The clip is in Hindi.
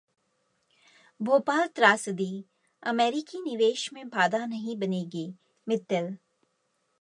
भोपाल त्रासदी, अमेरिकी निवेश में बाधा नहीं बनेगी: मित्तल